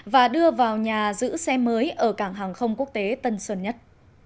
và đưa vào nhà giữ xe mới ở cảng hàng không quốc tế tân sơn nhất